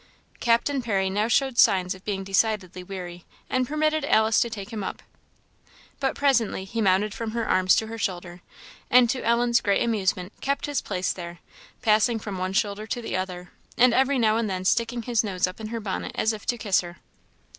Captain Parry now showed signs of being decidedly weary, and permitted Alice to take him up. But he presently mounted from her arms to her shoulder, and to Ellen's great amusement, kept his place there, passing from one shoulder to the other, and every now and then sticking his nose up into her bonnet as if to kiss her.